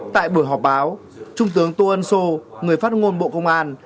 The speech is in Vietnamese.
tại buổi họp báo trung tướng tô ân sô người phát ngôn bộ công an